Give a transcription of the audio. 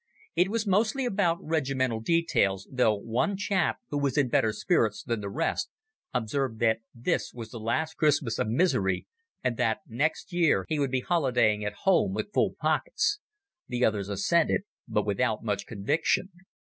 It was mostly about regimental details, though one chap, who was in better spirits than the rest, observed that this was the last Christmas of misery, and that next year he would be holidaying at home with full pockets. The others assented, but without much conviction.